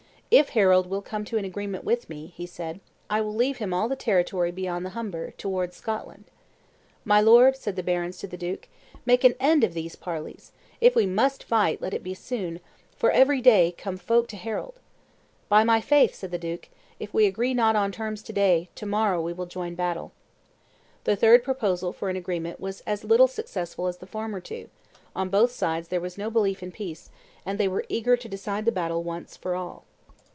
"If Harold will come to an agreement with me," he said, "I will leave him all the territory beyond the Humber, towards Scotland." "My lord," said the barons to the duke, "make an end of these parleys; if we must fight, let it be soon; for every day come folk to Harold." "By my faith," said the duke, "if we agree not on terms to day, to morrow we will join battle." The third proposal for an agreement was as little successful as the former two; on both sides there was no belief in peace, and they were eager to decide the quarrel once for all.